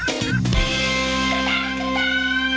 โปรดติดตามตอนต่อไป